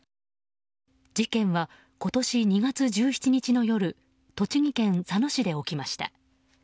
事件は今年２月１７日の夜栃木県佐野市で起きました。